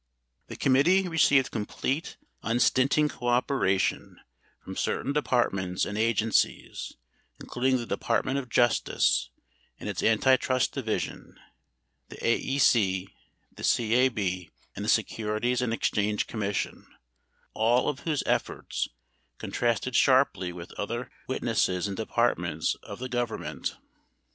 1 The committee received complete, unstinting cooperation from cer tain departments and agencies, including the Department of Justice and its Antitrust Division, the AEC, the CAB, and the Securities and Exchange Commission, all of whose efforts contrasted sharply with other w itnesses and departments of the Government.